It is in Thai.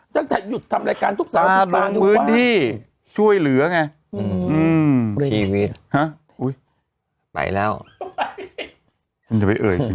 ตั้งแต่หยุดทำรายการทุบสายว่ากรุมของผมปราดูว่าง